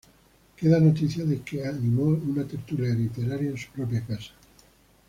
Queda noticia de que animó una tertulia literaria en su propia casa.